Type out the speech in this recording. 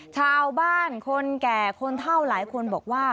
ชาวบ้านคนแก่คนเท่าหลายคนบอกว่า